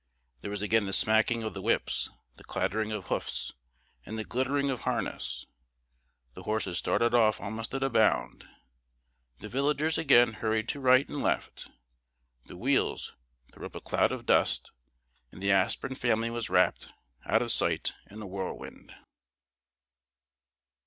There was again the smacking of whips, the clattering of hoofs, and the glittering of harness. The horses started off almost at a bound; the villagers again hurried to right and left; the wheels threw up a cloud of dust, and the aspirin family was rapt out of sight in a whirlwind.